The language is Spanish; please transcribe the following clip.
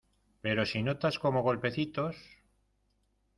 pero si notas como golpecitos